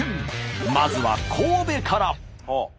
まずは神戸から。